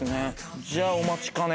じゃあお待ちかね！